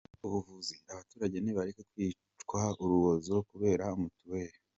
Ubuvuzi: abaturage nibareke kwicwa urubozo kubera mutuel.